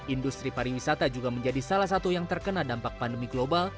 industri pariwisata juga menjadi salah satu yang terkena dampak pandemi global